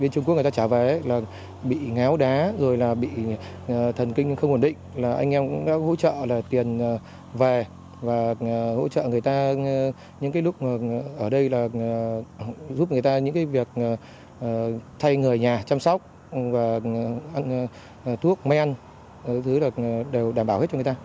bên trung quốc người ta trả vé là bị ngáo đá rồi là bị thần kinh không ổn định là anh em cũng đã hỗ trợ là tiền về và hỗ trợ người ta những cái lúc ở đây là giúp người ta những cái việc thay người nhà chăm sóc và ăn thuốc mê ăn thứ đó đều đảm bảo hết cho người ta